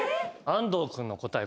安東君の答え